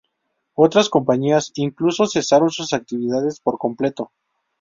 Otras compañías incluso cesaron sus actividades por completo.